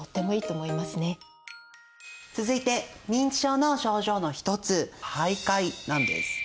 続いて認知症の症状の一つ徘徊なんです。